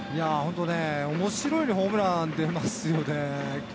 面白いようにホームランが出ますよね。